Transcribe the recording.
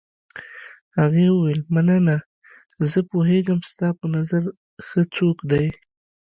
هغې وویل: مننه، زه پوهېږم ستا په نظر ښه څوک دی.